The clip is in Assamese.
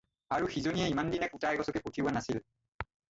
আৰু সিজনীয়ে ইমানদিনে কুটা এগছকে পঠিওৱা নাছিল।